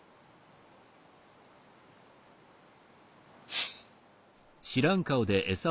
フッ。